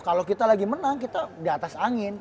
kalau kita lagi menang kita di atas angin